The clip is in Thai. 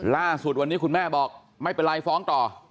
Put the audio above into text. ล่าสุดวันนี้คุณแม่บอกไม่เป็นไรฟ้องต่อ